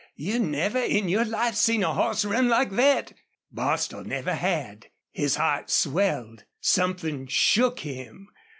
You never in your life seen a hoss ran like thet!" Bostil never had. His heart swelled. Something shook him.